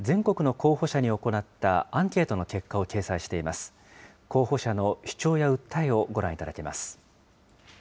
候補者の主張や訴えをご覧いただけます。